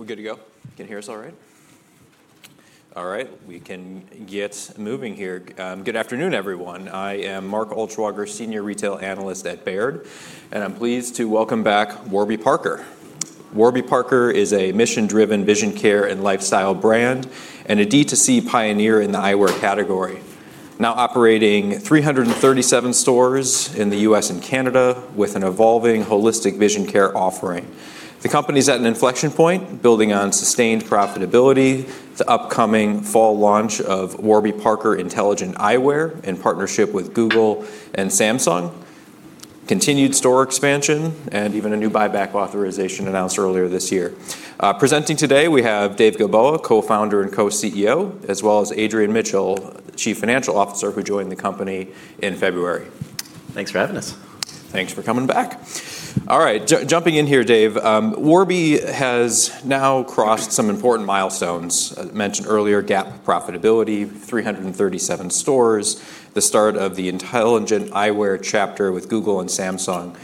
We're good to go? You can hear us all right? All right. We can get moving here. Good afternoon, everyone. I am Mark Altschwager, senior retail analyst at Baird, and I'm pleased to welcome back Warby Parker. Warby Parker is a mission-driven vision care and lifestyle brand and a D2C pioneer in the eyewear category, now operating 337 stores in the U.S. and Canada with an evolving holistic vision care offering. The company's at an inflection point, building on sustained profitability, the upcoming fall launch of Warby Parker Intelligent Eyewear in partnership with Google and Samsung, continued store expansion, and even a new buyback authorization announced earlier this year. Presenting today, we have Dave Gilboa, Co-Founder and Co-CEO, as well as Adrian Mitchell, Chief Financial Officer, who joined the company in February. Thanks for having us. Thanks for coming back. All right. Jumping in here, Dave. Warby has now crossed some important milestones. Mentioned earlier, GAAP profitability, 337 stores, the start of the Intelligent Eyewear chapter with Google and Samsung.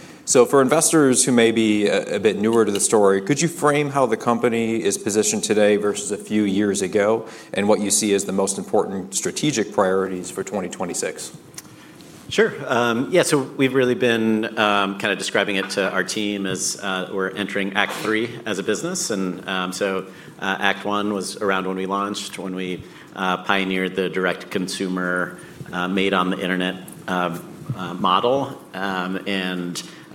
For investors who may be a bit newer to the story, could you frame how the company is positioned today versus a few years ago, and what you see as the most important strategic priorities for 2026? Sure. Yeah, we've really been kind of describing it to our team as we're entering act three as a business. Act one was around when we launched, when we pioneered the direct-to-consumer, made on the internet model.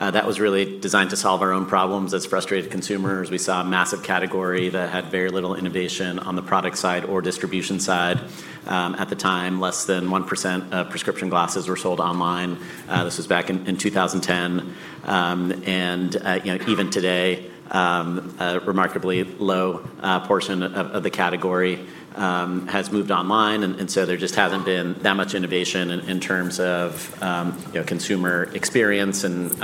That was really designed to solve our own problems as frustrated consumers. We saw a massive category that had very little innovation on the product side or distribution side. At the time, less than 1% of prescription glasses were sold online. This was back in 2010. Even today, a remarkably low portion of the category has moved online. There just hasn't been that much innovation in terms of consumer experience and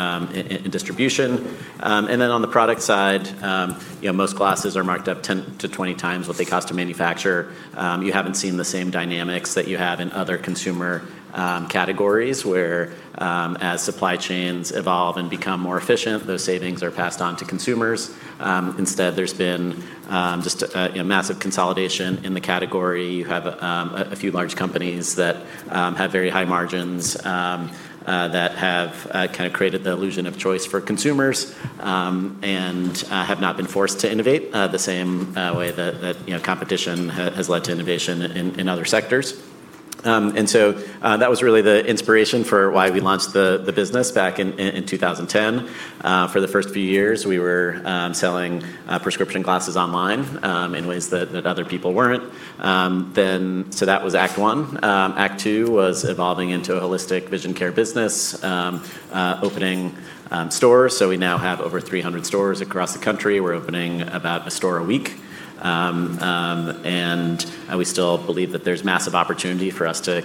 distribution. On the product side, most glasses are marked up 10-20 times what they cost to manufacture. You haven't seen the same dynamics that you have in other consumer categories, where as supply chains evolve and become more efficient, those savings are passed on to consumers. Instead, there's been just a massive consolidation in the category. You have a few large companies that have very high margins, that have kind of created the illusion of choice for consumers, and have not been forced to innovate the same way that competition has led to innovation in other sectors. That was really the inspiration for why we launched the business back in 2010. For the first few years, we were selling prescription glasses online in ways that other people weren't. That was act one. Act two was evolving into a holistic vision care business, opening stores. We now have over 300 stores across the country. We're opening about a store a week. We still believe that there's massive opportunity for us to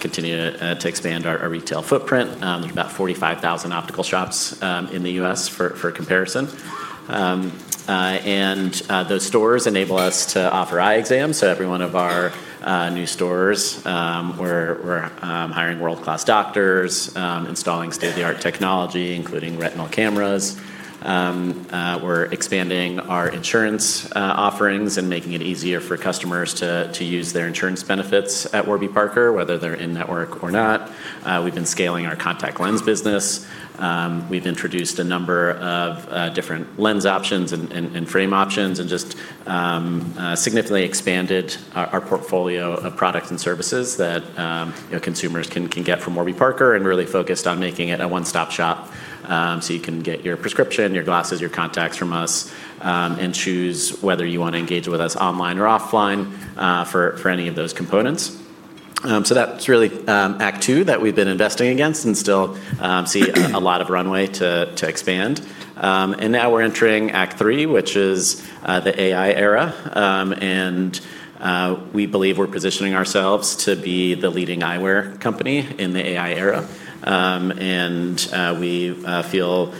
continue to expand our retail footprint. There's about 45,000 optical shops in the U.S. for comparison. Those stores enable us to offer eye exams. Every one of our new stores, we're hiring world-class doctors, installing state-of-the-art technology, including retinal cameras. We're expanding our insurance offerings and making it easier for customers to use their insurance benefits at Warby Parker, whether they're in network or not. We've been scaling our contact lens business. We've introduced a number of different lens options and frame options and just significantly expanded our portfolio of products and services that consumers can get from Warby Parker and really focused on making it a one-stop shop, so you can get your prescription, your glasses, your contacts from us, and choose whether you want to engage with us online or offline for any of those components. That's really Act two that we've been investing against and still see a lot of runway to expand. Now we're entering Act three, which is the AI era. We believe we're positioning ourselves to be the leading eyewear company in the AI era. We feel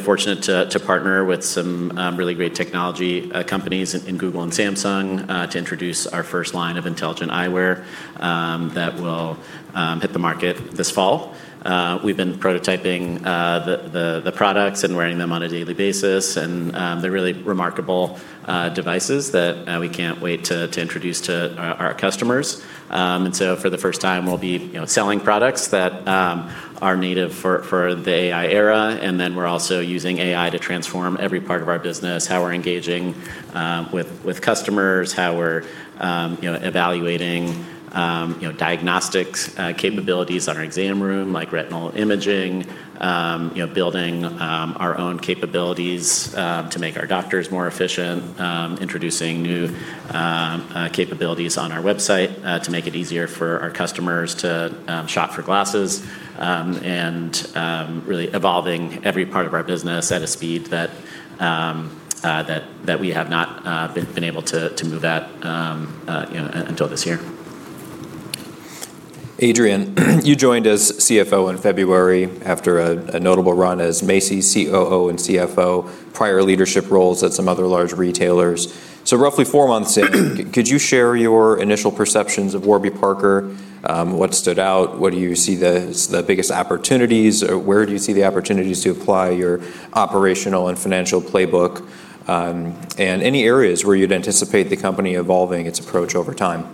fortunate to partner with some really great technology companies in Google and Samsung to introduce our first line of Intelligent Eyewear that will hit the market this fall. We've been prototyping the products and wearing them on a daily basis, they're really remarkable devices that we can't wait to introduce to our customers. For the first time, we'll be selling products that are native for the AI era. We're also using AI to transform every part of our business, how we're engaging with customers, how we're evaluating diagnostics capabilities in our exam room, like retinal imaging, building our own capabilities to make our doctors more efficient, introducing new capabilities on our website to make it easier for our customers to shop for glasses, and really evolving every part of our business at a speed that we have not been able to move at until this year. Adrian, you joined as CFO in February after a notable run as Macy's COO and CFO, prior leadership roles at some other large retailers. Roughly four months in, could you share your initial perceptions of Warby Parker? What stood out? What do you see as the biggest opportunities? Where do you see the opportunities to apply your operational and financial playbook? Any areas where you'd anticipate the company evolving its approach over time?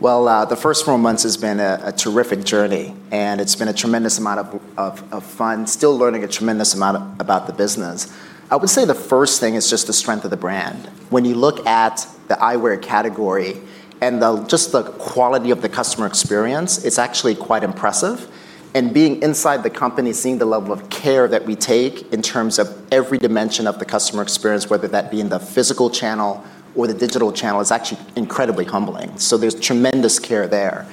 Well, the first four months has been a terrific journey, and it's been a tremendous amount of fun. Still learning a tremendous amount about the business. I would say the first thing is just the strength of the brand. When you look at the eyewear category and just the quality of the customer experience, it's actually quite impressive. Being inside the company, seeing the level of care that we take in terms of every dimension of the customer experience, whether that be in the physical channel or the digital channel, is actually incredibly humbling. There's tremendous care there.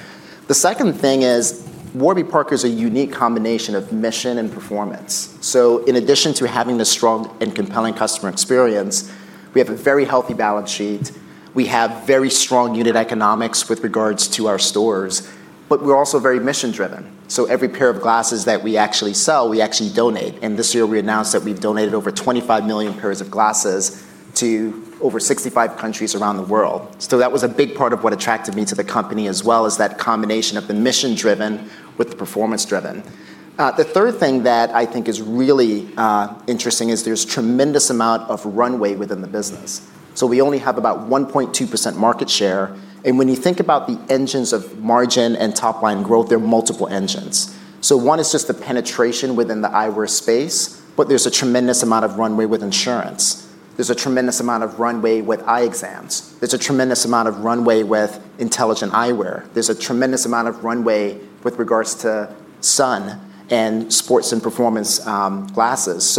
The second thing is Warby Parker is a unique combination of mission and performance. In addition to having a strong and compelling customer experience, we have a very healthy balance sheet. We have very strong unit economics with regards to our stores, we're also very mission-driven. Every pair of glasses that we actually sell, we actually donate. This year we announced that we've donated over 25 million pairs of glasses to over 65 countries around the world. That was a big part of what attracted me to the company as well, is that combination of the mission-driven with the performance-driven. The third thing that I think is really interesting is there's tremendous amount of runway within the business. We only have about 1.2% market share, and when you think about the engines of margin and top-line growth, there are multiple engines. One is just the penetration within the eyewear space, but there's a tremendous amount of runway with insurance. There's a tremendous amount of runway with eye exams. There's a tremendous amount of runway with Intelligent Eyewear. There's a tremendous amount of runway with regards to sun and sports and performance glasses.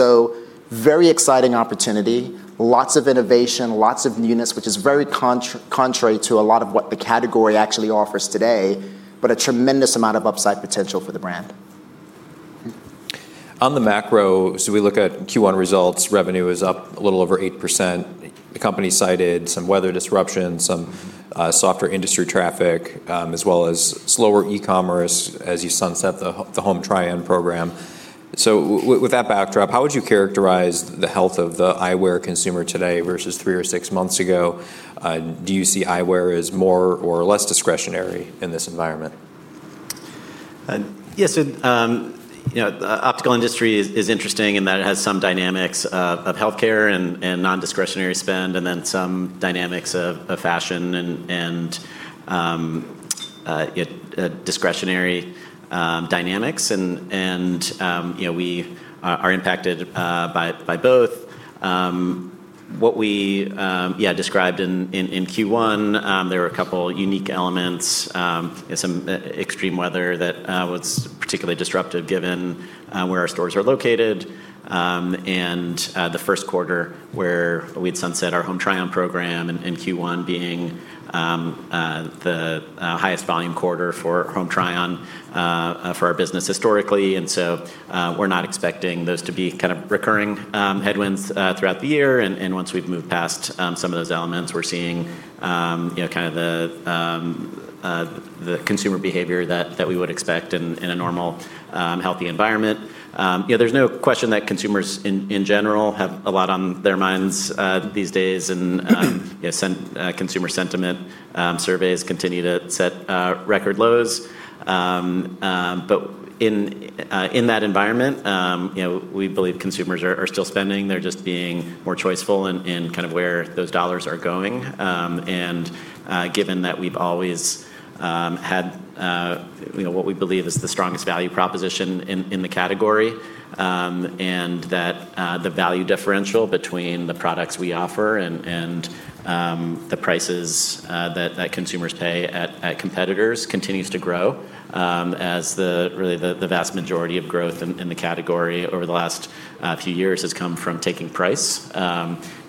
Very exciting opportunity, lots of innovation, lots of newness, which is very contrary to a lot of what the category actually offers today, but a tremendous amount of upside potential for the brand. On the macro, we look at Q1 results, revenue is up a little over 8%. The company cited some weather disruption, some softer industry traffic, as well as slower e-commerce as you sunset the Home Try-On program. With that backdrop, how would you characterize the health of the eyewear consumer today versus three or six months ago? Do you see eyewear as more or less discretionary in this environment? Yeah. The optical industry is interesting in that it has some dynamics of healthcare and non-discretionary spend and then some dynamics of fashion and discretionary dynamics and we are impacted by both. What we described in Q1, there were a couple unique elements. Some extreme weather that was particularly disruptive given where our stores are located. The first quarter where we had sunset our Home Try-On program and Q1 being the highest volume quarter for Home Try-On for our business historically. We're not expecting those to be kind of recurring headwinds throughout the year. Once we've moved past some of those elements, we're seeing the consumer behavior that we would expect in a normal, healthy environment. There's no question that consumers in general have a lot on their minds these days, and consumer sentiment surveys continue to set record lows. In that environment we believe consumers are still spending, they're just being more choiceful in kind of where those dollars are going. Given that we've always had what we believe is the strongest value proposition in the category, and that the value differential between the products we offer and the prices that consumers pay at competitors continues to grow. As really the vast majority of growth in the category over the last few years has come from taking price.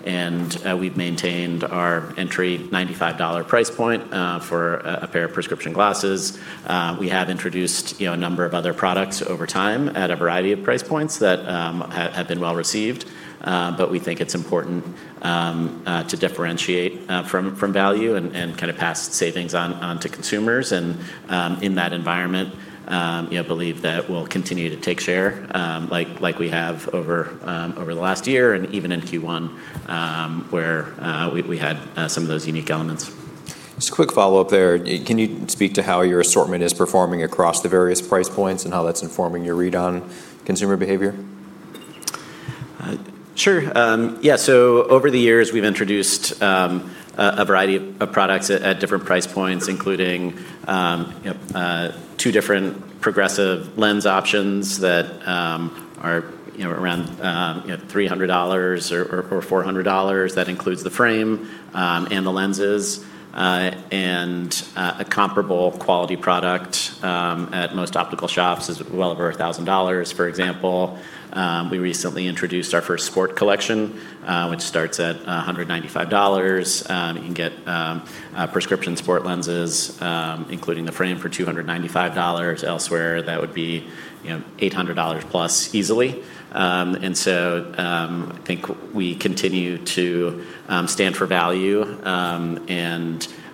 We've maintained our entry $95 price point for a pair of prescription glasses. We have introduced a number of other products over time at a variety of price points that have been well-received. We think it's important to differentiate from value and kind of pass savings on to consumers. In that environment, believe that we'll continue to take share like we have over the last year and even into Q1, where we had some of those unique elements. Just a quick follow-up there. Can you speak to how your assortment is performing across the various price points and how that's informing your read on consumer behavior? Sure. Yeah. Over the years, we've introduced a variety of products at different price points, including two different progressive lens options that are around $300 or $400. That includes the frame and the lenses, a comparable quality product at most optical shops is well over $1,000. For example, we recently introduced our first sport collection, which starts at $195. You can get prescription sport lenses including the frame for $295. Elsewhere, that would be $800+ easily. I think we continue to stand for value.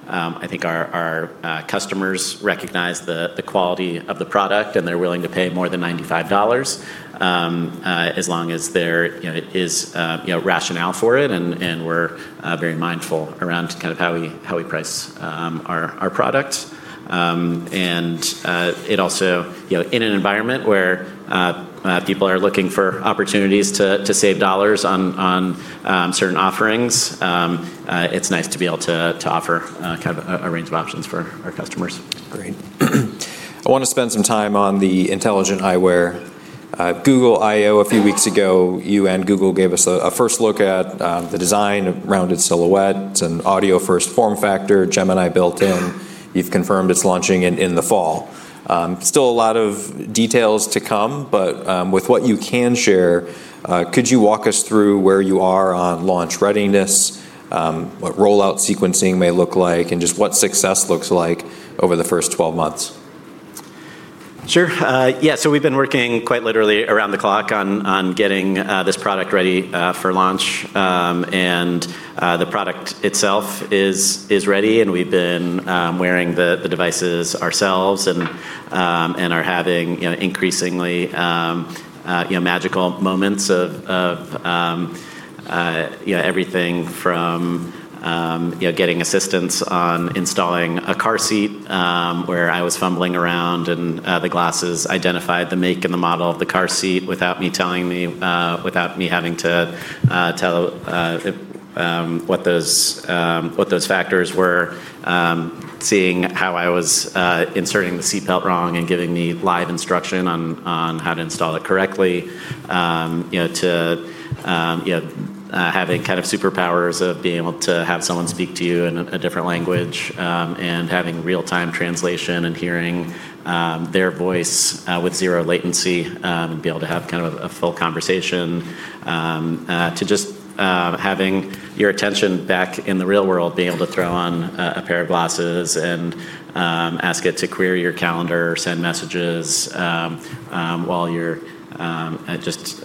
I think our customers recognize the quality of the product, and they're willing to pay more than $95, as long as there is rationale for it. We're very mindful around kind of how we price our product. It also, in an environment where people are looking for opportunities to save dollars on certain offerings, it's nice to be able to offer a range of options for our customers. Great. I want to spend some time on the Intelligent Eyewear. Google I/O a few weeks ago, you and Google gave us a first look at the design, a rounded silhouette, it's an audio first form factor, Gemini built in. You've confirmed it's launching in the fall. Still a lot of details to come. With what you can share, could you walk us through where you are on launch readiness, what rollout sequencing may look like, and just what success looks like over the first 12 months? Sure. We've been working quite literally around the clock on getting this product ready for launch. The product itself is ready, and we've been wearing the devices ourselves and are having increasingly magical moments of everything from getting assistance on installing a car seat where I was fumbling around and the glasses identified the make and the model of the car seat without me having to tell it what those factors were. Seeing how I was inserting the seat belt wrong and giving me live instruction on how to install it correctly, to having superpowers of being able to have someone speak to you in a different language, and having real-time translation and hearing their voice with zero latency, and be able to have a full conversation. To just having your attention back in the real world, being able to throw on a pair of glasses and ask it to query your calendar, send messages, while you're just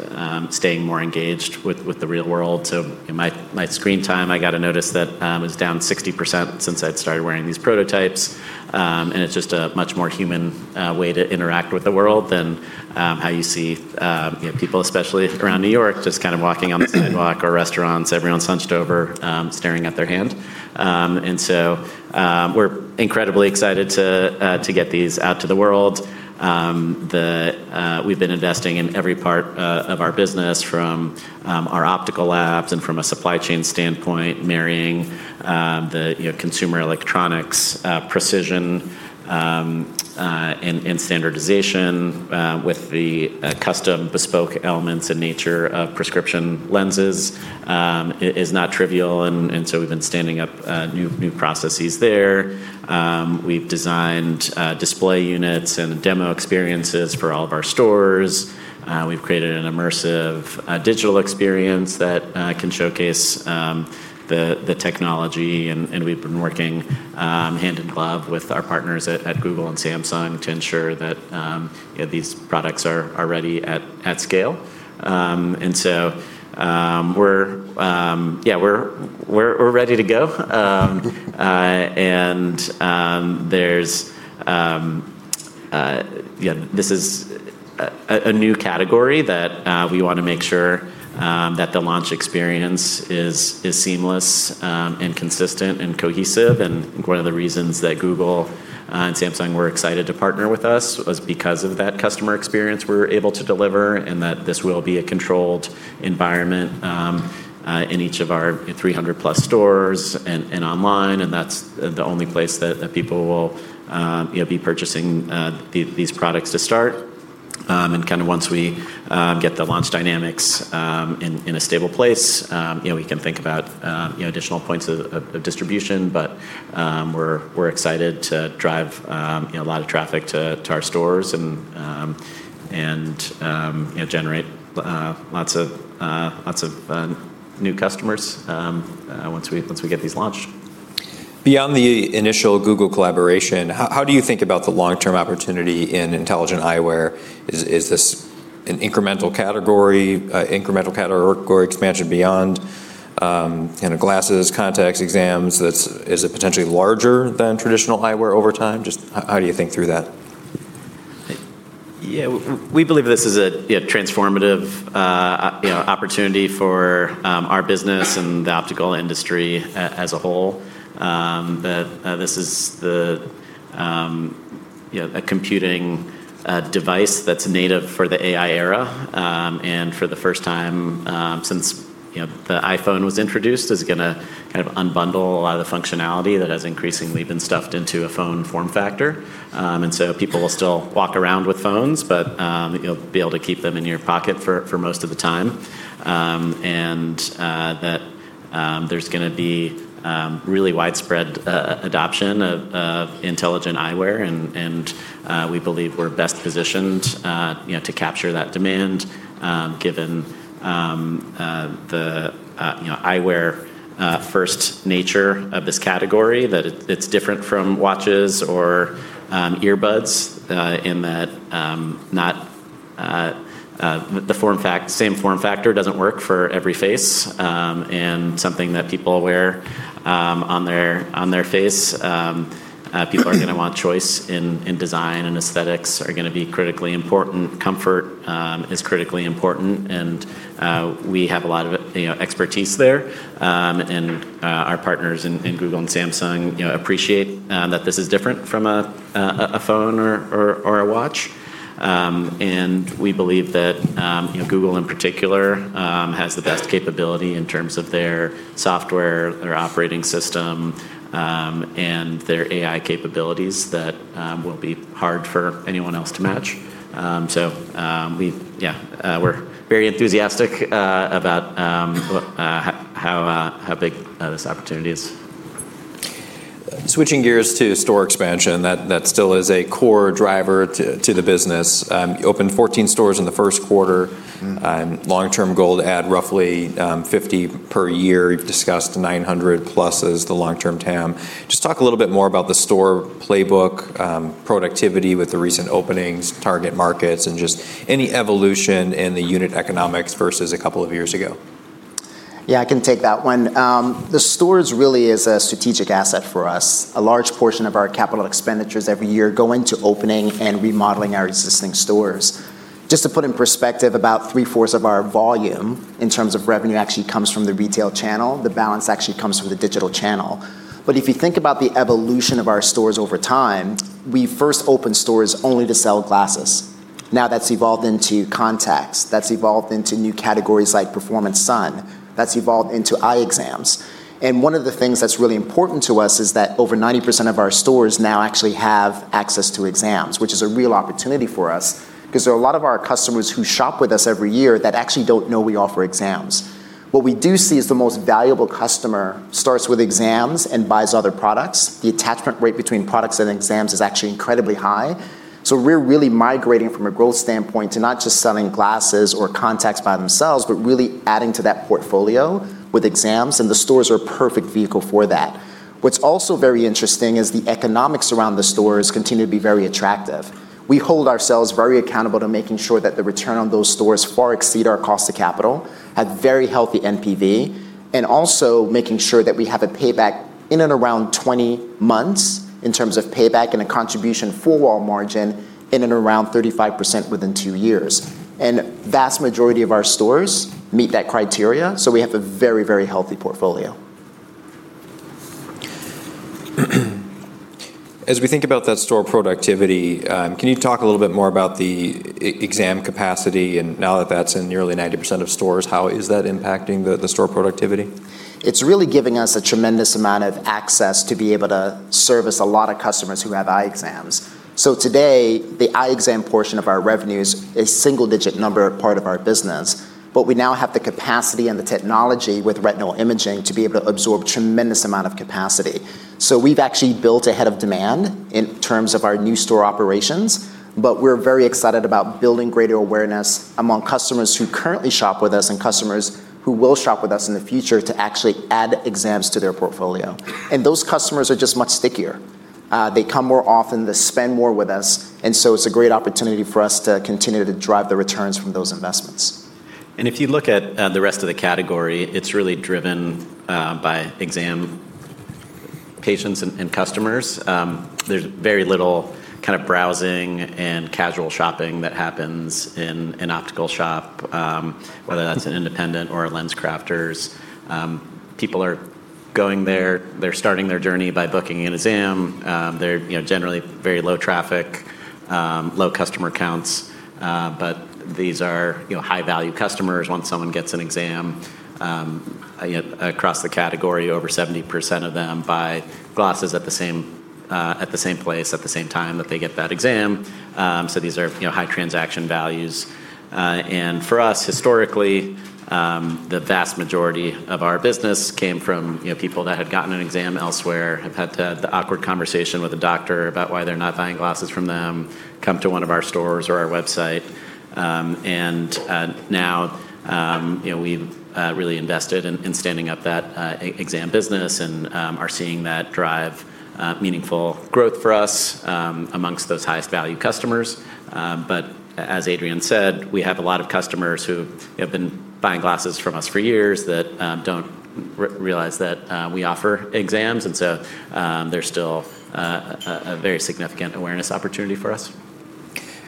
staying more engaged with the real world. In my screen time, I got a notice that it was down 60% since I'd started wearing these prototypes. It's just a much more human way to interact with the world than how you see people, especially around New York, just walking on the sidewalk or restaurants, everyone's hunched over, staring at their hand. We're incredibly excited to get these out to the world. We've been investing in every part of our business from our optical labs and from a supply chain standpoint, marrying the consumer electronics precision in standardization with the custom bespoke elements and nature of prescription lenses is not trivial, and so we've been standing up new processes there. We've designed display units and demo experiences for all of our stores. We've created an immersive digital experience that can showcase the technology, and we've been working hand in glove with our partners at Google and Samsung to ensure that these products are ready at scale. We're ready to go. This is a new category that we want to make sure that the launch experience is seamless and consistent and cohesive. One of the reasons that Google and Samsung were excited to partner with us was because of that customer experience we're able to deliver, and that this will be a controlled environment in each of our 300+ stores and online. That's the only place that people will be purchasing these products to start. Once we get the launch dynamics in a stable place, we can think about additional points of distribution. We're excited to drive a lot of traffic to our stores and generate lots of new customers once we get these launched. Beyond the initial Google collaboration, how do you think about the long-term opportunity in Intelligent Eyewear? Is this an incremental category expansion beyond glasses, contacts, exams? Is it potentially larger than traditional eyewear over time? Just how do you think through that? Yeah. We believe this is a transformative opportunity for our business and the optical industry as a whole. That this is a computing device that's native for the AI era. For the first time since the iPhone was introduced, is going to unbundle a lot of the functionality that has increasingly been stuffed into a phone form factor. People will still walk around with phones, but you'll be able to keep them in your pocket for most of the time. That there's going to be really widespread adoption of Intelligent Eyewear, and we believe we're best positioned to capture that demand, given the eyewear-first nature of this category. That it's different from watches or earbuds, in that the same form factor doesn't work for every face, and something that people wear on their face, people are going to want choice in design and aesthetics are going to be critically important. Comfort is critically important, and we have a lot of expertise there. Our partners in Google and Samsung appreciate that this is different from a phone or a watch. We believe that Google, in particular, has the best capability in terms of their software, their operating system, and their AI capabilities that will be hard for anyone else to match. We're very enthusiastic about how big this opportunity is. Switching gears to store expansion, that still is a core driver to the business. You opened 14 stores in the first quarter. Long-term goal to add roughly 50 per year. You've discussed 900+ as the long-term TAM. Just talk a little bit more about the store playbook, productivity with the recent openings, target markets, and just any evolution in the unit economics versus a couple of years ago. Yeah, I can take that one. The stores really is a strategic asset for us. A large portion of our capital expenditures every year go into opening and remodeling our existing stores. Just to put in perspective, about 3/4 of our volume in terms of revenue actually comes from the retail channel. The balance actually comes from the digital channel. If you think about the evolution of our stores over time, we first opened stores only to sell glasses. Now that's evolved into contacts. That's evolved into new categories like performance sun. That's evolved into eye exams. One of the things that's really important to us is that over 90% of our stores now actually have access to exams, which is a real opportunity for us because there are a lot of our customers who shop with us every year that actually don't know we offer exams. What we do see is the most valuable customer starts with exams and buys other products. The attachment rate between products and exams is actually incredibly high. We're really migrating from a growth standpoint to not just selling glasses or contacts by themselves, but really adding to that portfolio with exams, and the stores are a perfect vehicle for that. What's also very interesting is the economics around the stores continue to be very attractive. We hold ourselves very accountable to making sure that the return on those stores far exceed our cost of capital, have very healthy NPV, and also making sure that we have a payback in and around 20 months in terms of payback and a contribution four-wall margin in and around 35% within two years. Vast majority of our stores meet that criteria, so we have a very healthy portfolio. As we think about that store productivity, can you talk a little bit more about the exam capacity and now that that's in nearly 90% of stores, how is that impacting the store productivity? It's really giving us a tremendous amount of access to be able to service a lot of customers who have eye exams. Today, the eye exam portion of our revenue is a single-digit number part of our business, but we now have the capacity and the technology with retinal imaging to be able to absorb tremendous amount of capacity. We've actually built ahead of demand in terms of our new store operations, but we're very excited about building greater awareness among customers who currently shop with us and customers who will shop with us in the future to actually add exams to their portfolio. Those customers are just much stickier. They come more often, they spend more with us, it's a great opportunity for us to continue to drive the returns from those investments. If you look at the rest of the category, it's really driven by exam patients and customers. There's very little kind of browsing and casual shopping that happens in an optical shop, whether that's an independent or a LensCrafters. People are going there. They're starting their journey by booking an exam. They're generally very low traffic, low customer counts. These are high-value customers. Once someone gets an exam, across the category, over 70% of them buy glasses at the same place at the same time that they get that exam. These are high transaction values. For us, historically, the vast majority of our business came from people that had gotten an exam elsewhere, have had to have the awkward conversation with a doctor about why they're not buying glasses from them, come to one of our stores or our website. Now, we've really invested in standing up that exam business and are seeing that drive meaningful growth for us amongst those highest value customers. As Adrian said, we have a lot of customers who have been buying glasses from us for years that don't realize that we offer exams, and so there's still a very significant awareness opportunity for us.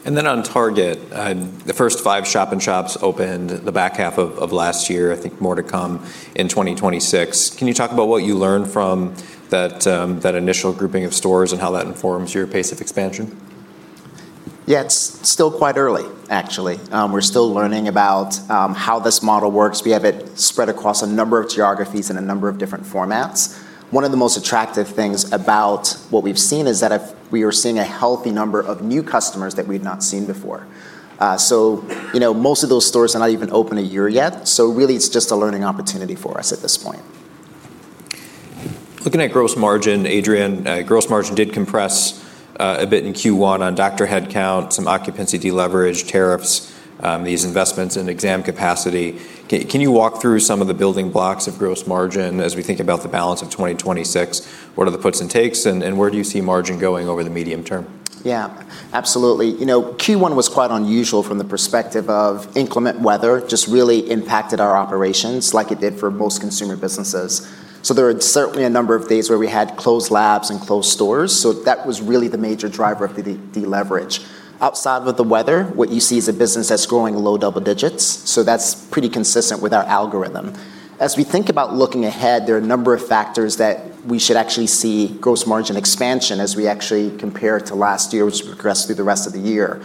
On Target, the first five shop-in-shops opened the back half of last year, I think more to come in 2026. Can you talk about what you learned from that initial grouping of stores and how that informs your pace of expansion? Yeah, it's still quite early, actually. We're still learning about how this model works. We have it spread across a number of geographies in a number of different formats. One of the most attractive things about what we've seen is that we are seeing a healthy number of new customers that we've not seen before. Most of those stores are not even open a year yet, really it's just a learning opportunity for us at this point. Looking at gross margin, Adrian, gross margin did compress a bit in Q1 on doctor headcount, some occupancy deleverage, tariffs, these investments in exam capacity. Can you walk through some of the building blocks of gross margin as we think about the balance of 2026? What are the puts and takes, and where do you see margin going over the medium term? Yeah, absolutely. Q1 was quite unusual from the perspective of inclement weather just really impacted our operations like it did for most consumer businesses. There were certainly a number of days where we had closed labs and closed stores, so that was really the major driver of the deleverage. Outside of the weather, what you see is a business that's growing low double digits. That's pretty consistent with our algorithm. As we think about looking ahead, there are a number of factors that we should actually see gross margin expansion as we actually compare to last year, which will progress through the rest of the year.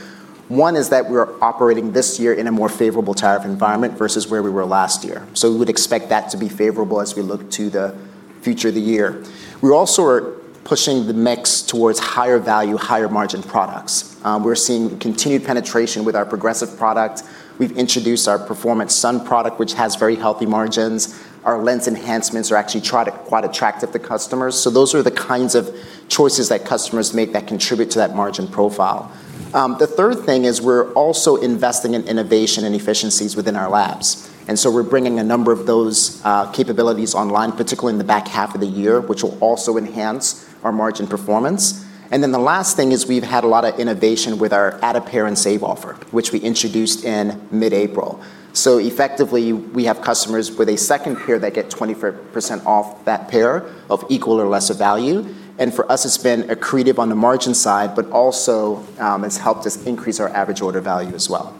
One is that we're operating this year in a more favorable tariff environment versus where we were last year. We would expect that to be favorable as we look to the future of the year. We also are pushing the mix towards higher value, higher margin products. We're seeing continued penetration with our progressive product. We've introduced our Warby Parker Sport product, which has very healthy margins. Our lens enhancements are actually quite attractive to customers. Those are the kinds of choices that customers make that contribute to that margin profile. The third thing is we're also investing in innovation and efficiencies within our labs. We're bringing a number of those capabilities online, particularly in the back half of the year, which will also enhance our margin performance. The last thing is we've had a lot of innovation with our Add a Pair and Save offer, which we introduced in mid-April. Effectively, we have customers with a second pair that get 20% off that pair of equal or lesser value. For us, it's been accretive on the margin side, but also has helped us increase our average order value as well.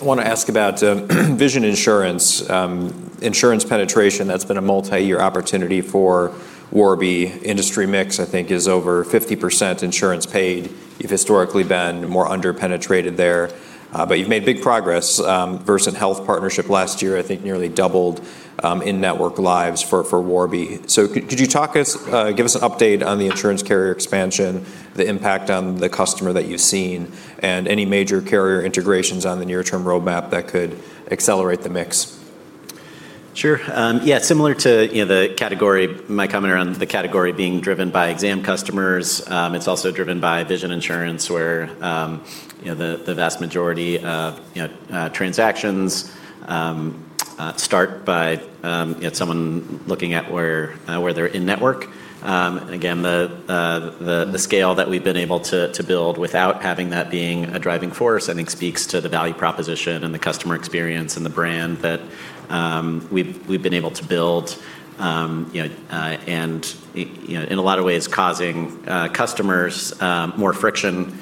I want to ask about vision insurance. Insurance penetration, that's been a multi-year opportunity for Warby. Industry mix, I think, is over 50% insurance paid. You've historically been more under-penetrated there. You've made big progress. Versant Health partnership last year, I think nearly doubled in-network lives for Warby. Could you give us an update on the insurance carrier expansion, the impact on the customer that you've seen, and any major carrier integrations on the near-term roadmap that could accelerate the mix? Sure. Yeah, similar to my comment around the category being driven by exam customers, it is also driven by vision insurance where the vast majority of transactions start by someone looking at where they are in-network. The scale that we have been able to build without having that being a driving force, I think, speaks to the value proposition and the customer experience and the brand that we have been able to build. In a lot of ways, causing customers more friction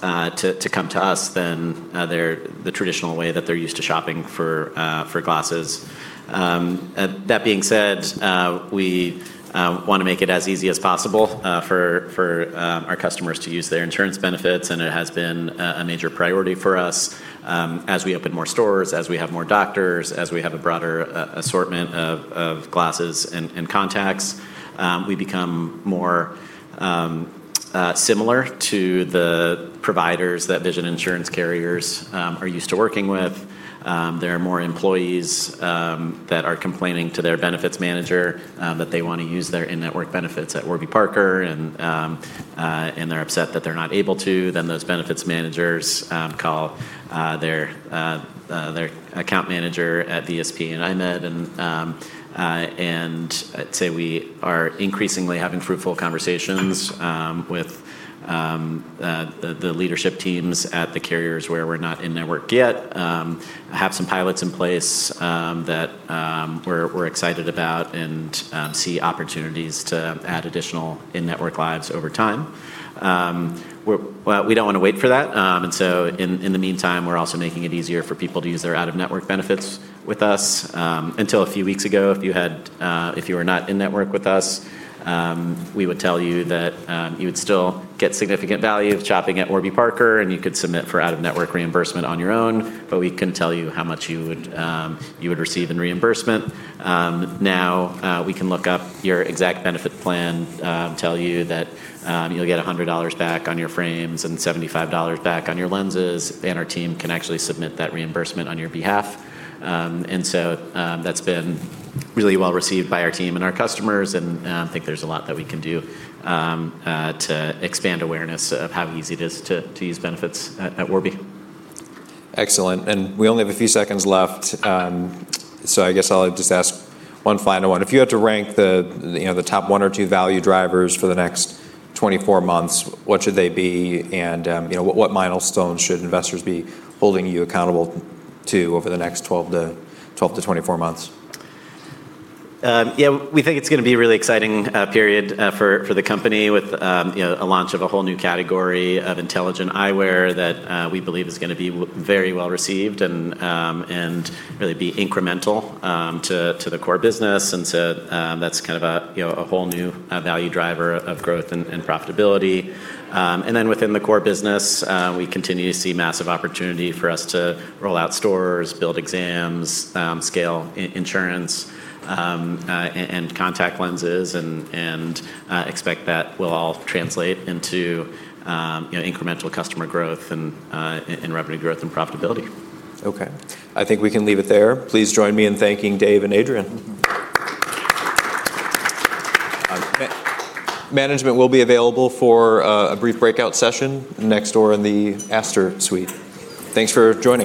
to come to us than the traditional way that they are used to shopping for glasses. That being said, we want to make it as easy as possible for our customers to use their insurance benefits, and it has been a major priority for us. As we open more stores, as we have more doctors, as we have a broader assortment of glasses and contacts, we become more similar to the providers that vision insurance carriers are used to working with. There are more employees that are complaining to their benefits manager that they want to use their in-network benefits at Warby Parker, and they're upset that they're not able to. Those benefits managers call their account manager at VSP and EyeMed and I'd say we are increasingly having fruitful conversations with the leadership teams at the carriers where we're not in-network yet. We have some pilots in place that we're excited about and see opportunities to add additional in-network lives over time. We don't want to wait for that, and so in the meantime, we're also making it easier for people to use their out-of-network benefits with us. Until a few weeks ago, if you were not in-network with us, we would tell you that you would still get significant value shopping at Warby Parker, and you could submit for out-of-network reimbursement on your own, but we couldn't tell you how much you would receive in reimbursement. Now we can look up your exact benefit plan, tell you that you'll get $100 back on your frames and $75 back on your lenses, and our team can actually submit that reimbursement on your behalf. That's been really well-received by our team and our customers, and I think there's a lot that we can do to expand awareness of how easy it is to use benefits at Warby. Excellent. We only have a few seconds left, so I guess I'll just ask one final one. If you had to rank the top one or two value drivers for the next 24 months, what should they be? What milestones should investors be holding you accountable to over the next 12 to 24 months? We think it's going to be a really exciting period for the company with a launch of a whole new category of Intelligent Eyewear that we believe is going to be very well-received and really be incremental to the core business. That's kind of a whole new value driver of growth and profitability. Then within the core business, we continue to see massive opportunity for us to roll out stores, build exams, scale insurance, and contact lenses, and expect that will all translate into incremental customer growth and revenue growth and profitability. Okay. I think we can leave it there. Please join me in thanking Dave and Adrian. Management will be available for a brief breakout session next door in the Astor Suite. Thanks for joining us